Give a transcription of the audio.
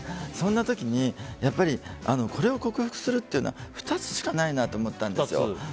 そんな時にこれを克服するというのは２つしかないなと思ったんですよ。